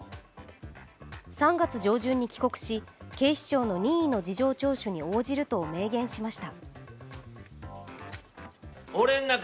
３月上旬に帰国し、警視庁の任意の事情聴取に応じると明言しました。